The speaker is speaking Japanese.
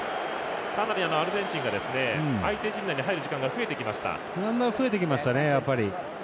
かなりアルゼンチンが相手陣内に入る時間が増えてきました。